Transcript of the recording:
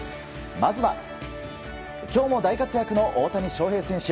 まずは、今日も大活躍の大谷翔平選手。